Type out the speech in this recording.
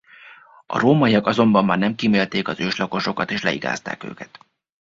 A rómaiak azonban már nem kímélték az őslakosokat és leigázták őket.